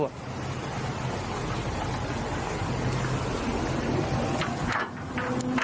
เสียงไม่รู้อ่ะ